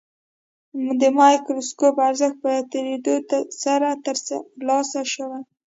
د مایکروسکوپ ارزښت په تېرېدو سره ترلاسه شوی.